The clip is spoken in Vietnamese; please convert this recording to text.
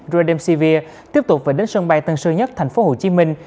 rademsevir tiếp tục về đến sân bay tân sơ nhất thành phố hồ chí minh